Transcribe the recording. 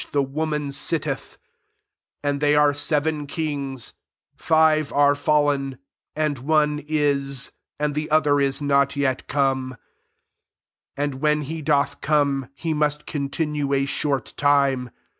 the woman sitteth ; 10 and they are seven kings : five are fallen, [andj one is, and the other is not yet come; and when he doth come, he must continue a short time.